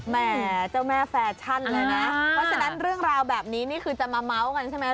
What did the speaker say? แม่เจ้าแม่แฟชั่นเลยนะเพราะฉะนั้นเรื่องราวแบบนี้นี่คือจะมาเม้ากันใช่ไหม